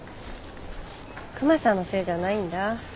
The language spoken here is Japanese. クマさんのせいじゃないんだ。